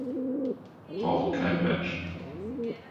Braucht kein Mensch!